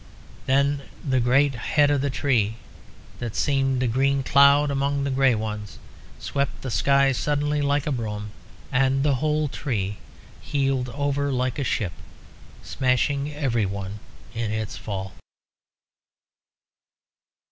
Then the great head of the tree, that seemed a green cloud among grey ones, swept the sky suddenly like a broom, and the whole tree heeled over like a ship, smashing every one in its fall.